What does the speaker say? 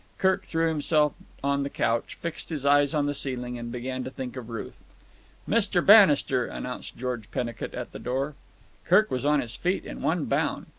Kirk threw himself on the couch, fixed his eyes on the ceiling, and began to think of Ruth. "Mr. Bannister," announced George Pennicut at the door. Kirk was on his feet in one bound.